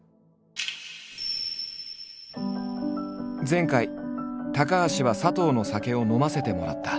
前回高橋は佐藤の酒を飲ませてもらった。